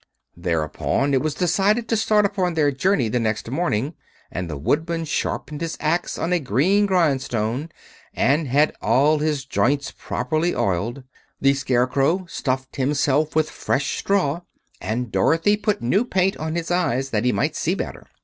Therefore it was decided to start upon their journey the next morning, and the Woodman sharpened his axe on a green grindstone and had all his joints properly oiled. The Scarecrow stuffed himself with fresh straw and Dorothy put new paint on his eyes that he might see better.